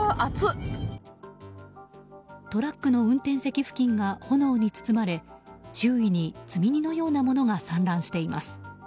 トラックの運転席付近が炎に包まれ周囲に、積み荷のようなものが散乱しています。